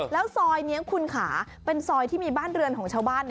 แล้วซอยนี้คุณขาเป็นซอยที่มีบ้านเรือนของชาวบ้าน